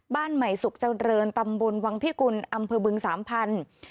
บ้านใหม่สุขเจริญตำบลวังพิกุลอำเภอบึงสามพันธุ์